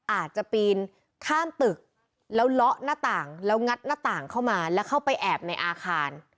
อาจจะปีนข้ามตึกแล้วเลาะหน้าต่างแล้วงัดหน้าต่างเข้ามาแล้วเข้าไปแอบในอาคาร